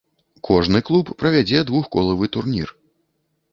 Кожны клуб правядзе двухколавы турнір.